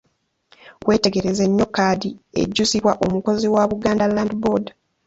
Weetegereze nnyo kkaadi ejjuzibwa omukozi wa Buganda Land Board.